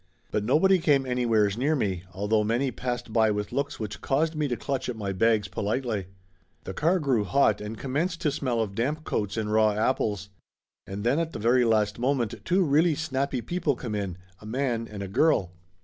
But nobody came anywheres near me, although many passed by with looks which caused me to clutch at my bags politely. The car grew hot and commenced to smell of damp coats and raw apples. And then at the very last moment two really snappy people come in, a man and a girl.